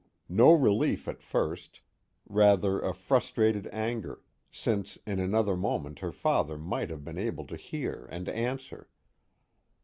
No relief at first, rather a frustrated anger, since in another moment her father might have been able to hear and answer.